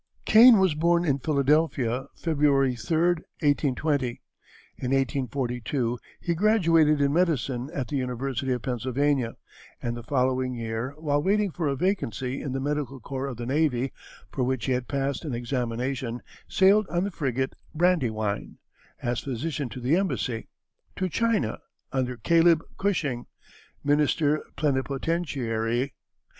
Kane was born in Philadelphia, February 3, 1820. In 1842 he graduated in medicine at the University of Pennsylvania, and the following year, while waiting for a vacancy in the medical corps of the navy, for which he had passed an examination, sailed on the frigate Brandywine, as physician to the embassy, to China, under Caleb Cushing, Minister Plenipotentiary.